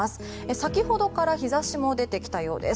先ほどから日差しも出てきたようです。